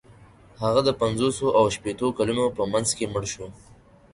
هغه د پنځوسو او شپیتو کلونو په منځ کې مړ شو.